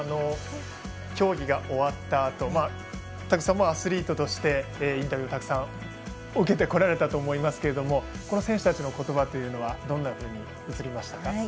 競技が終わったあと田口さんもアスリートとしてインタビューをたくさん受けてこられたと思いますがこの選手たちの言葉はどんなふうに映りましたか？